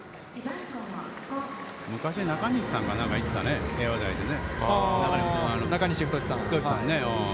昔、中西さんかなんかがいったね、平和台でね。